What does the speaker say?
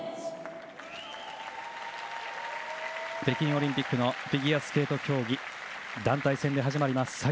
北京オリンピックのフィギュアスケート競技団体戦で始まります。